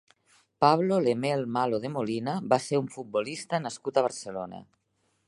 Pablo Lemmel Malo de Molina va ser un futbolista nascut a Barcelona.